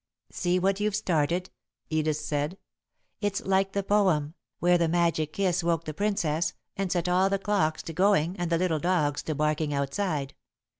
"See what you've started," Edith said. "It's like the poem, where the magic kiss woke the princess, and set all the clocks to going and the little dogs to barking outside.